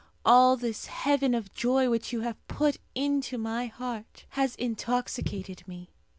All this heaven of joy which you have put into my heart has intoxicated me.